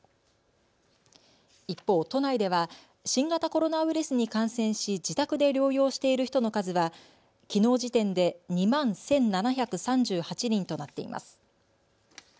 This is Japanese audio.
一方、都内では新型コロナウイルスに感染し自宅で療養している人の数はきのう時点で２万１７３８人となっています。